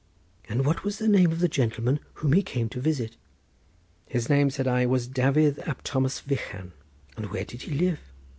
"And what was the name of the gentleman whom he came to visit?" "His name," said I, "was Dafydd ab Thomas Vychan." "And where did he live?"